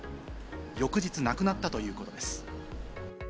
翌日、亡くなったということです。